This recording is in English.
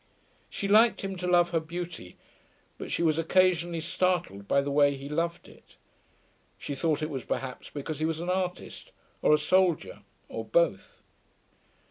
She liked him to love her beauty, but she was occasionally startled by the way he loved it. She thought it was perhaps because he was an artist, or a soldier, or both.